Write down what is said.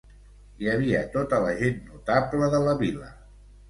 Hi havia tota la gent notable de la vila.